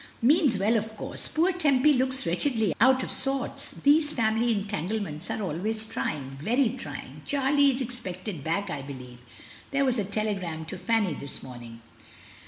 "Means well, of course. Poor Tempy looks wretchedly out of sorts. These family entangle ments are always trying, very trying. Charlie is ex pected back, I believe; there was a telegram to Fanny this morning."